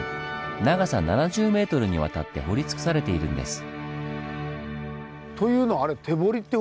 長さ７０ｍにわたって掘り尽くされているんです。